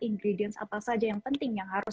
ingredience apa saja yang penting yang harus